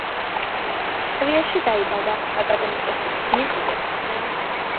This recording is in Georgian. ტყვიავში დაიბადა აკადემიკოსი ნიკო კეცხოველი.